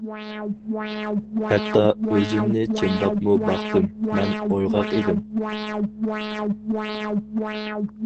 ھەتتا ئۆزۈمنى چىمداپمۇ باقتىم، مەن ئويغاق ئىدىم.